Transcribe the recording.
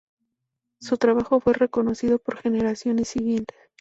Su trabajo fue reconocido por generaciones siguientes.